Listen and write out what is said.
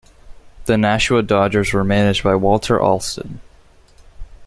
The Nashua Dodgers were managed by Walter Alston.